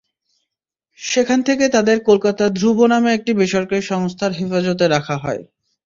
সেখান থেকে তাদের কলকাতার ধ্রুব নামে একটি বেসরকারি সংস্থার হেফাজতে রাখা হয়।